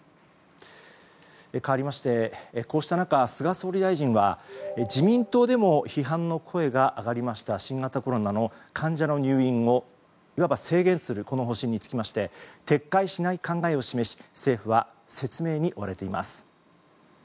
かわりましてこうした中、菅総理大臣は自民党でも批判の声が上がりました新型コロナの患者の入院をいわば制限する方針につきまして撤回しない考えを示し政府は説明に追われています。